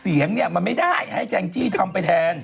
เสียงเนี่ยมันไม่ได้ให้แจงจี้ทำไปแทน